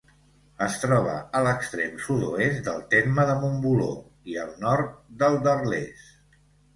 Es troba a l'extrem sud-oest del terme de Montboló i al nord del d'Arles.